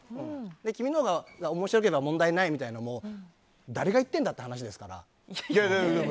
君のが面白ければ問題ないって誰が言ってるんだって話ですから。